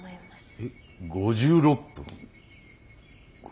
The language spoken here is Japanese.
えっ５６分？